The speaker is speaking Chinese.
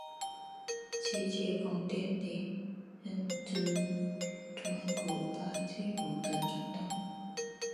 其祭孔典礼仍遵循古八佾舞的传统。